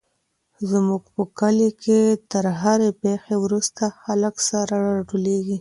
زموږ په کلي کي تر هرې پېښي وروسته خلک سره ټولېږي.